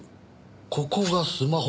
ここがスマホ。